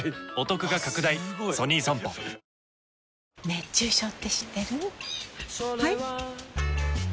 熱中症って知ってる？